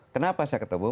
kenapa saya ketemu